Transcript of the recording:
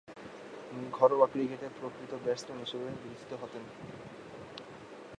ঘরোয়া ক্রিকেটে প্রকৃত ব্যাটসম্যান হিসেবে বিবেচিত হতেন।